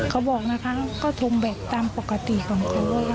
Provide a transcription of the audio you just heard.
เขาบอกนะคะก็ทงแบตตามปกติของเขา